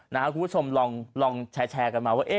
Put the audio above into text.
คุณผู้ชมลองแชร์กันมาว่า